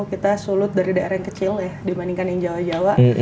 kita sulut dari daerah yang kecil ya dibandingkan yang jawa jawa